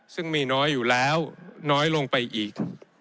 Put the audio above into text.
ซึ่งมีน้อยอยู่แล้วน้อยลงไปอีก